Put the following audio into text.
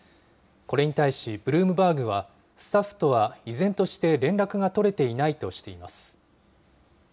これに対し、ブルームバーグは、スタッフとは依然として連絡が取れていないとしています。